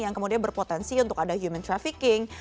yang kemudian berpotensi untuk ada human trafficking